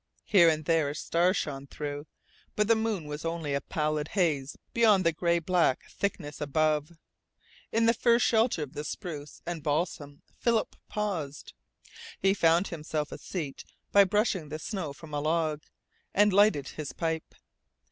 Here and there a star shone through, but the moon was only a pallid haze beyond the gray black thickness above. In the first shelter of the spruce and balsam Philip paused. He found himself a seat by brushing the snow from a log, and lighted his pipe.